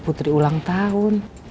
putri ulang tahun